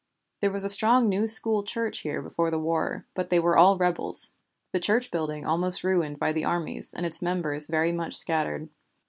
There was a strong New School Church here before the war, but they were all rebels; the church building almost ruined by the armies, and its members very much scattered.